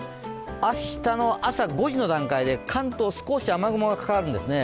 明日の朝５時の段階で関東、少し雨雲がかかるんですね。